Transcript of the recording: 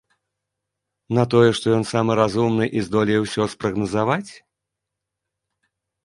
На тое, што ён самы разумны і здолее ўсё спрагназаваць?